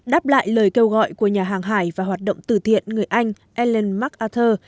đáp lại lời kêu gọi của nhà hàng hải và hoạt động từ thiện người anh ellen macarthur